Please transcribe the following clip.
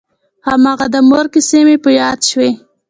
هماغه د مور کيسې مې په ياد شوې.